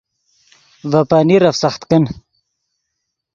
ڤے پنیرف سخت کن